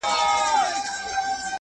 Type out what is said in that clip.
خو پوهېږم چی زړگی مي غولومه -